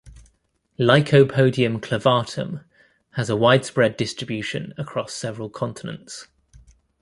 "Lycopodium clavatum" has a widespread distribution across several continents.